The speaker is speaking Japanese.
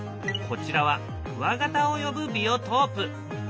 こちらはクワガタを呼ぶビオトープ。